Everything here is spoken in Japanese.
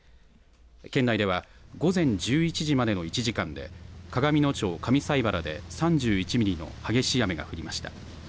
県内では、午前１１時までの１時間で、鏡野町上齋原で３１ミリの激しい雨が降りました。